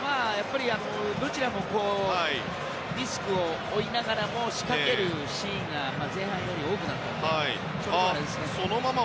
どちらもリスクを負いながらも仕掛けるシーンが前半より多くなったので。